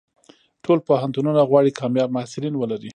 ټول پوهنتونونه غواړي کامیاب محصلین ولري.